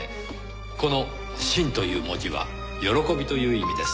この「欣」という文字は喜びという意味です。